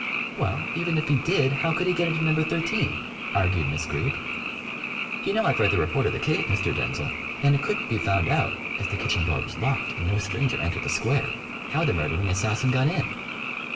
"Well, even if he did, how could he get into No. 13?" argued Miss Greeb. "You know I've read the report of the case, Mr. Denzil, and it couldn't be found out (as the kitchen door was locked, and no stranger entered the square) how the murdering assassin got in."